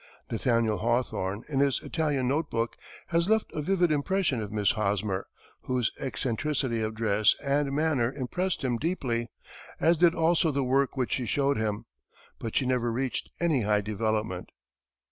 Nathaniel Hawthorne, in his "Italian Note Book," has left a vivid impression of Miss Hosmer, whose eccentricity of dress and manner impressed him deeply, as did also the work which she showed him. But she never reached any high development.